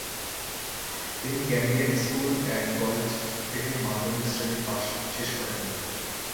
তিনি Cambrian school and কলেজে থেকে মাধ্যমিক শ্রেণী শেষ করেন।